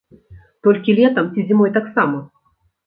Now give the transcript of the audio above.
Толькі летам, ці зімой таксама?